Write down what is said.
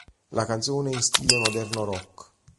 La canzone è in stile moderno-rock.